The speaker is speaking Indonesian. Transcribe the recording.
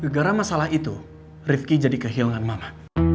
gara gara masalah itu rifki jadi kehilangan mama